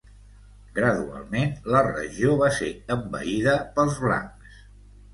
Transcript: Gradualment la regió va ser envaïda pels blancs.